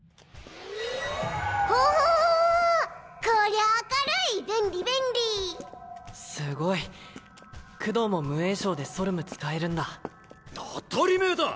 ほほうこりゃ明るい便利便利すごいクドーも無詠唱でソルム使えるんだ当たりめえだ！